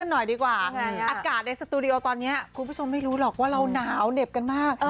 หน่อยดีกว่าอากาศในสตูดิโอตอนนี้คุณผู้ชมไม่รู้หรอกว่าเราหนาวเหน็บกันมาก